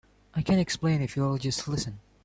I can explain if you'll just listen.